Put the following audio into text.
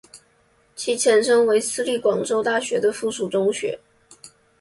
其前身为私立广州大学的附属中学。